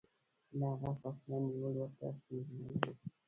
له هغه فاصله نیول ورته ستونزمن و.